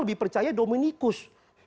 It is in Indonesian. lebih percaya dominikus